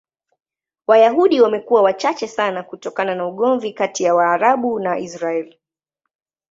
Wayahudi wamekuwa wachache sana kutokana na ugomvi kati ya Waarabu na Israel.